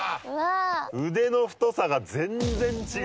腕の太さが全然違う。